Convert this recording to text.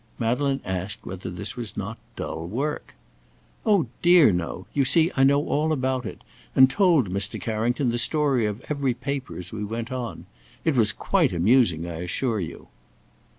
Madeleine asked whether this was not dull work. "Oh, dear, no! You see I know all about it, and told Mr. Carrington the story of every paper as we went on. It was quite amusing, I assure you."